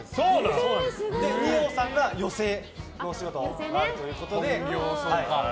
二葉さんが寄席のお仕事ということで。